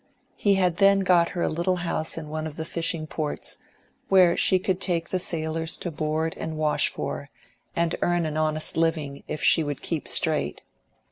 He had then got her a little house in one of the fishing ports, where she could take the sailors to board and wash for, and earn an honest living if she would keep straight.